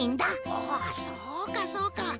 おおそうかそうか。